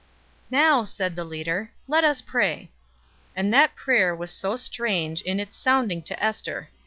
"Now," said the leader, "let us pray." And that prayer was so strange in its sounding to Ester.